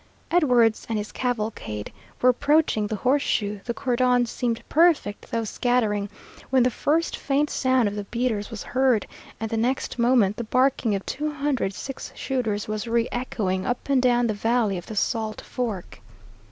Edwards and his cavalcade were approaching the horseshoe, the cordon seemed perfect, though scattering, when the first faint sound of the beaters was heard, and the next moment the barking of two hundred six shooters was reëchoing up and down the valley of the Salt Fork.